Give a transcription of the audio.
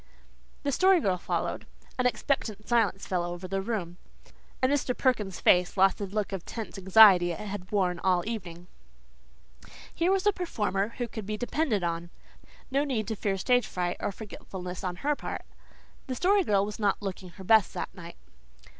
The Story Girl followed. An expectant silence fell over the room, and Mr. Perkins' face lost the look of tense anxiety it had worn all the evening. Here was a performer who could be depended on. No need to fear stage fright or forgetfulness on her part. The Story Girl was not looking her best that night.